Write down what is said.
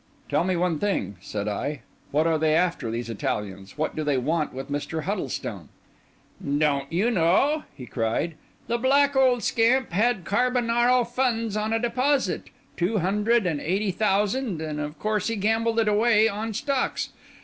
"Tell me one thing," said I. "What are they after, these Italians? What do they want with Mr. Huddlestone?" "Don't you know?" he cried. "The black old scamp had_ carbonaro_ funds on a deposit—two hundred and eighty thousand; and of course he gambled it away on stocks.